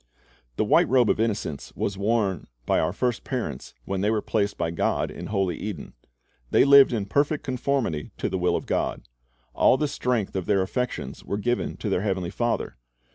The white robe of innocence was worn by our first parents when they were placed by God in holy Eden. They lived in perfect conformity to the will of God. All the strength of their affections was given to their Heavenly Father.